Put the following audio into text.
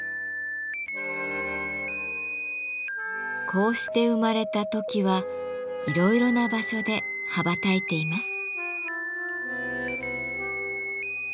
こうして生まれたトキはいろいろな場所で羽ばたいています。